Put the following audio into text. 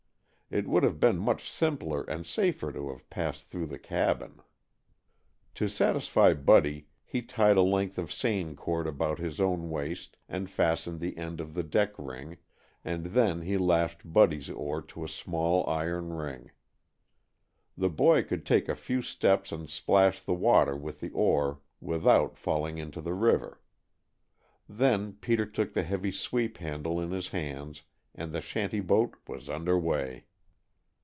It would have been much simpler and safer to have passed through the cabin. To satisfy Buddy, he tied a length of seine cord about his own waist and fastened the end to the deck ring, and then he lashed Buddy's oar to a small iron ring. The boy could take a few steps and splash the water with the oar without falling into the river. Then Peter took the heavy sweep handle in his hands and the shanty boat was under way.